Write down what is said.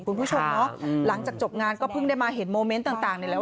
คุณผู้ชมเนาะหลังจากจบงานก็เพิ่งได้มาเห็นโมเมนต์ต่างนี่แหละ